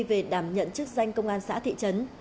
về đảm nhận chức danh công an xã thị trấn